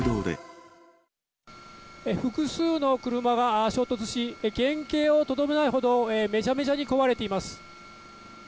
複数の車が衝突し、原形をとどめないほど、めちゃめちゃに壊れています。